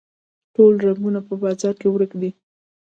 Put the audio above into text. ټوله رنګونه په بازار کې ورک دي